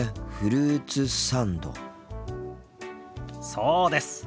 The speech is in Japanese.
そうです。